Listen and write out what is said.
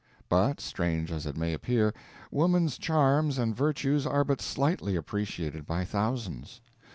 But, strange as it may appear, woman's charms and virtues are but slightly appreciated by thousands.